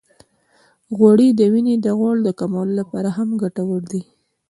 غوړې د وینې د غوړ د کمولو لپاره هم ګټورې دي.